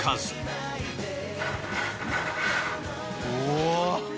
お！